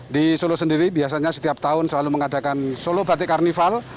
di solo sendiri biasanya setiap tahun selalu mengadakan solo batik karnaval